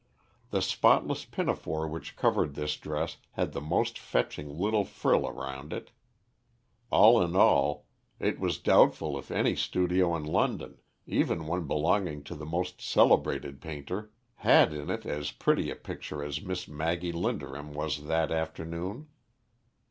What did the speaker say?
The spotless pinafore which covered this dress had the most fetching little frill around it; all in all, it was doubtful if any studio in London, even one belonging to the most celebrated painter, had in it as pretty a picture as Miss Maggie Linderham was that afternoon.